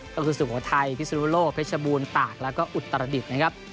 ก็คือสุโภคไทยพิศุโรโลเพชรบูรณ์ตากแล้วก็อุตรดิตนะครับ